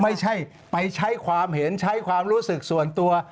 ไม่ใช่ไปใช้ความเห็นใช้ความรู้สึกส่วนตัว